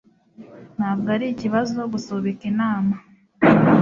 Ntabwo ari ikibazo gusubika inama.